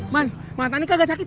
mantan enggak sakit